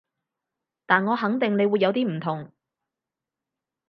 但我肯定你會有啲唔同